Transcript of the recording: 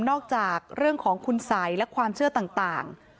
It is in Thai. จากเรื่องของคุณสัยและความเชื่อต่าง